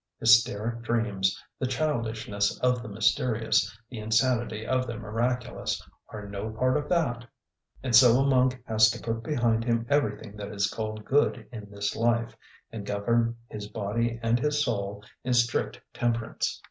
Hysteric dreams, the childishness of the mysterious, the insanity of the miraculous, are no part of that. And so a monk has to put behind him everything that is called good in this life, and govern his body and his soul in strict temperance.